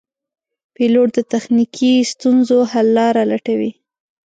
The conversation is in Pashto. پیلوټ د تخنیکي ستونزو حل لاره لټوي.